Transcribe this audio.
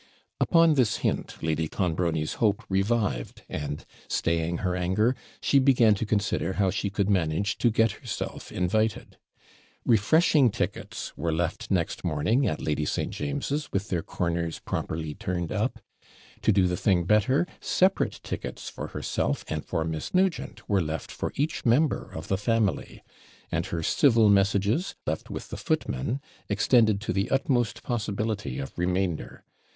Upon this hint, Lady Clonbrony's hope revived; and, staying her anger, she began to consider how she could manage to get herself invited. Refreshing tickets were left next morning at Lady St. James's with their corners properly turned up; to do the thing better, separate tickets for herself and for Miss Nugent were left for each member of the family; and her civil messages, left with the footman, extended to the utmost possibility of remainder.